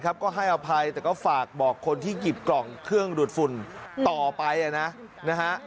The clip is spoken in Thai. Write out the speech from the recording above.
ก็ให้อภัยแต่ก็ฝากบอกคนที่หยิบกล่องเครื่องดูดฝุ่นต่อไปนะฮะ